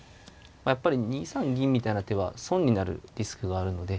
やっぱり２三銀みたいな手は損になるリスクがあるので。